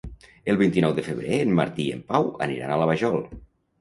El vint-i-nou de febrer en Martí i en Pau aniran a la Vajol.